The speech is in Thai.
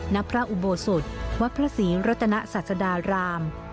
ณพระอุโบสถวัดพระศรีรัตนศาสดาราม